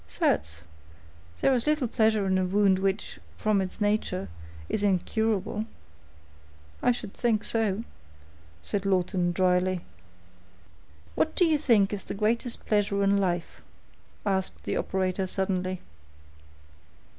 "Certes, there is little pleasure in a wound which, from its nature, is incurable." "I should think so," said Lawton, dryly. "What do you think is the greatest pleasure in life?" asked the operator suddenly.